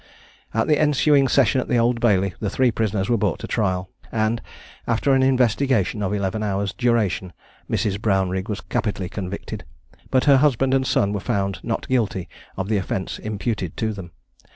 At the ensuing session at the Old Bailey the three prisoners were brought to trial; and, after an investigation of eleven hours' duration, Mrs. Brownrigg was capitally convicted; but her husband and son were found not guilty of the offence imputed to them.